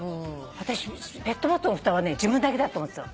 私ペットボトルのふたはね自分だけだと思ってたの。